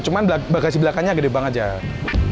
cuman bagasi belakangnya gede banget jar